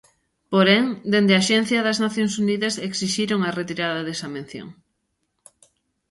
Porén, desde a axencia das Nacións Unidas exixiron a retirada desa mención.